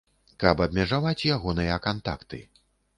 Каб абмежаваць ягоныя кантакты.